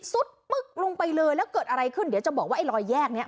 ปึ๊กลงไปเลยแล้วเกิดอะไรขึ้นเดี๋ยวจะบอกว่าไอ้รอยแยกนี้